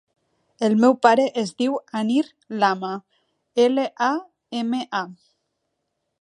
El meu pare es diu Anir Lama: ela, a, ema, a.